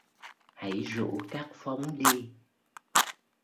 Hãy rủ các phóng đi